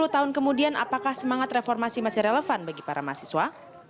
sepuluh tahun kemudian apakah semangat reformasi masih relevan bagi para mahasiswa